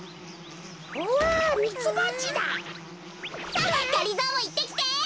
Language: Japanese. さっがりぞーもいってきて。